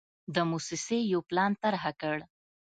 د موسسې یو پلان طرحه کړ.